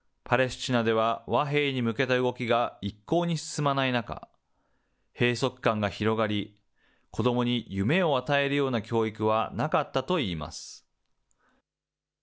パレスチナでは和平に向けた動きが一向に進まない中、閉塞感が広がり、子どもに夢を与えるような教育はなかったといいます。